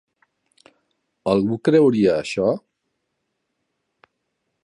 Algú creuria això?